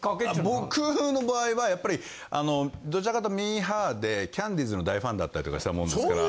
僕の場合はやっぱりどちらかというとミーハーでキャンディーズの大ファンだったりとかしたもんですから。